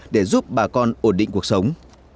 để giúp bà con ổn định cuộc sống